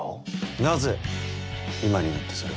なぜ今になってそれを？